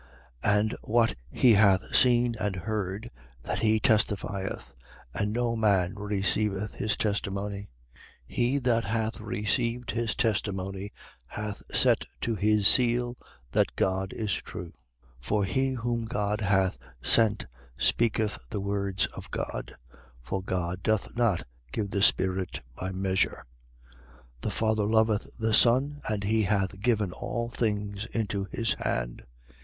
3:32. And what he hath seen and heard, that he testifieth: and no man receiveth his testimony. 3:33. He that hath received his testimony hath set to his seal that God is true. 3:34. For he whom God hath sent speaketh the words of God: for God doth not give the Spirit by measure. 3:35. The Father loveth the Son: and he hath given all things into his hand.